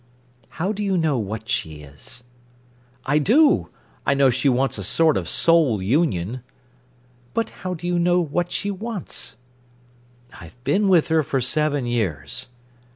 "How do you know what she is?" "I do! I know she wants a sort of soul union." "But how do you know what she wants?" "I've been with her for seven years."